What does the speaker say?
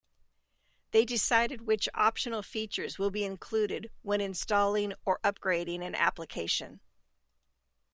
They decide which optional features will be included when installing or upgrading an application.